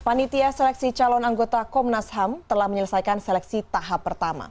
panitia seleksi calon anggota komnas ham telah menyelesaikan seleksi tahap pertama